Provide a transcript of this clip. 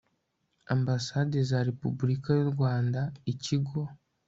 ambasade za repubulika y u rwanda ikigo